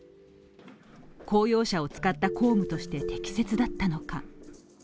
公用車を使った公務として適切だったのか？